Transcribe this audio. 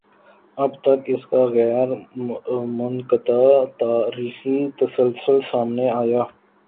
اب تک اس کا غیر منقطع تاریخی تسلسل سامنے آیا ہے۔